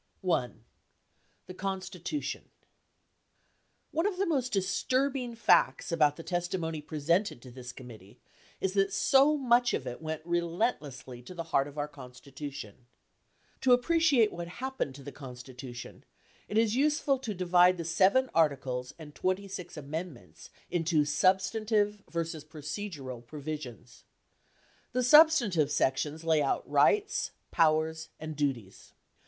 1177 I. THE CONSTITUTION One of the most disturbing facts about the testimony presented to this committee is that so much of it went relentlessly to the heart of oyr Constitution. To appreciate what happened to the Constitution, it is useful to .divide the seven articles and 26 amendments into substantive versus procedural provisions. The substantive sections lay out rights, pow ers, and duties.